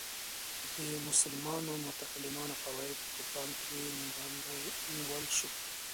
د مسلمانو متکلمانو قواعد په پام کې نیول شو.